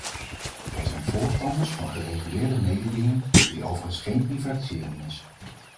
Wij zijn voorstanders van gereguleerde mededinging die overigens geen privatisering is.